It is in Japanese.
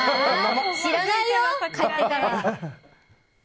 知らないよ、帰ってから。